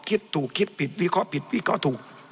คิดถูกคิดผิดวิเคราะห์ผิดวิเคราะห์ถูก